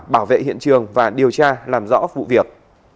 bảo vệ hiện trường và điều tra làm rõ vụ việc